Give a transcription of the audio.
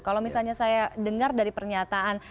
kalau misalnya saya dengar dari pernyataan